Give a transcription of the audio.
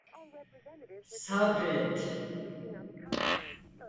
Sabret…